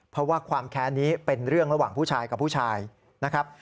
เพราะว่าความแค้นนี้เป็นเรื่องระหว่างผู้ชายกับผู้ชายนะครับ